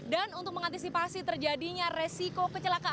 dan untuk mengantisipasi terjadinya resiko kecelakaan